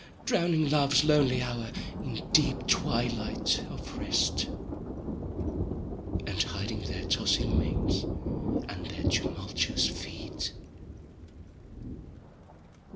Drowning love's lonely hour in deep twilight of rest, And hiding their tossing manes and their tumultuous feet.